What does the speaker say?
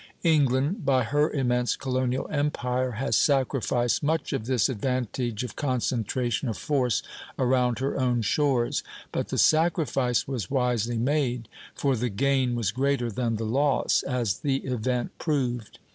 England, by her immense colonial empire, has sacrificed much of this advantage of concentration of force around her own shores; but the sacrifice was wisely made, for the gain was greater than the loss, as the event proved.